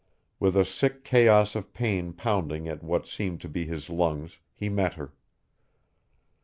With a sick chaos of pain pounding at what seemed to be his lungs he met her.